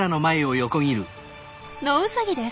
ノウサギです！